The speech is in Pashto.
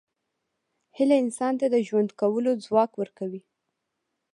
هیله انسان ته د ژوند کولو ځواک ورکوي.